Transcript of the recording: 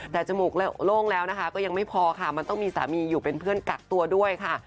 แต่จมูกโล่งแล้วนะคะก็ยังไม่พอค่ะมันต้องมีสามีอยู่เป็นเพื่อนกักตัวด้วยค่ะ